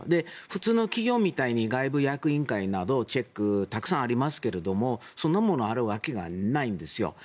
普通の企業みたいに外部役員会などチェック、たくさんありますがそんなものがあるわけがないんですよ。